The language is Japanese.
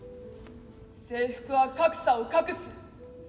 制服は格差を隠す。